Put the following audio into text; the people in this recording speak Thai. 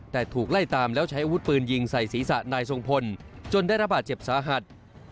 แต่ถูกไล่ตามแล้วใช้อาวุธปืนยิงใส่ศีรษะนายทรงพลจนได้รับบาดเจ็บสาหัส